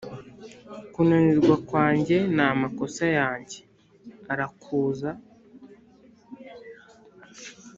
kunanirwa kwanjye namakosa yanjye arakuza,